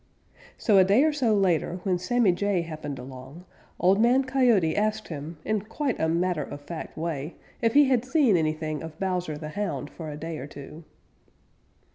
So a day or so later, when Sammy Jay happened along, Old Man Coyote asked him, in quite a matter of fact way, if he had seen anything of Bowser the Hound for a day or two.